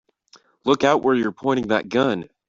Look out where you're pointing that gun!